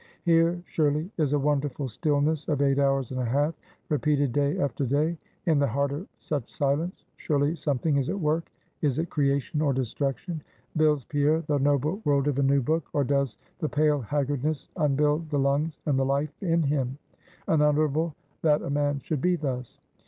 Here surely is a wonderful stillness of eight hours and a half, repeated day after day. In the heart of such silence, surely something is at work. Is it creation, or destruction? Builds Pierre the noble world of a new book? or does the Pale Haggardness unbuild the lungs and the life in him? Unutterable, that a man should be thus!